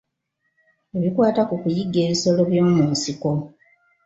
Ebikwata ku kuyigga ebisolo byomunsiko.